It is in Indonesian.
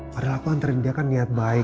padahal aku anterin dia kan niat baik